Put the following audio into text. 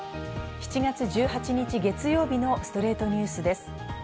７月１８日、月曜日の『ストレイトニュース』です。